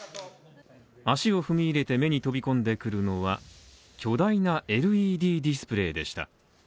足を踏み入れて目に飛び込んでくるのは巨大なＬＥＤディスプレイでした。